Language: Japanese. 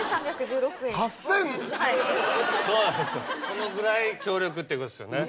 そのぐらい強力っていうことですよね。